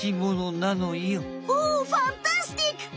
おおファンタスティック！